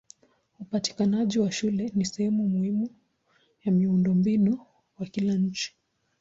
Upatikanaji wa shule ni sehemu muhimu ya miundombinu wa kila nchi.